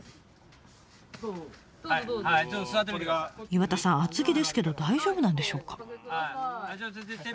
岩田さん厚着ですけど大丈夫なんでしょうか？